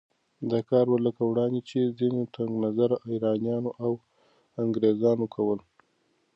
دا کار به لکه وړاندې چې ځينو تنګ نظره ایرانیانو او انګریزانو کول